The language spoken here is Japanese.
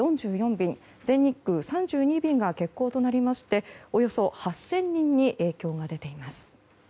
便全日空３２便が欠航となりましておよそ８０００人に影響が出ています。